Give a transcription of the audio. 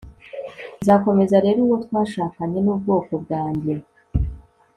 Nzakomeza rero uwo twashakanye nubwoko bwanjye